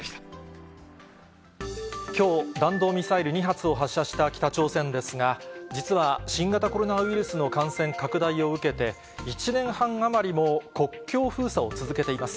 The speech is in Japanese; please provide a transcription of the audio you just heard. きょう、弾道ミサイル２発を発射した北朝鮮ですが、実は新型コロナウイルスの感染拡大を受けて、１年半余りも国境封鎖を続けています。